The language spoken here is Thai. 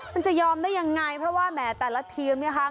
มันจะยอมได้ยังไงเพราะว่าแหมแต่ละทีมเนี่ยค่ะ